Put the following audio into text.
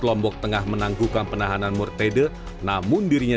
lombok tengah menanggukan penahanan murtede namun dirinya